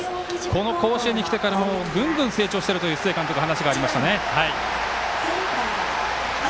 この甲子園に来てからもグングン成長しているという須江監督の話がありましたね。